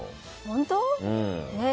本当？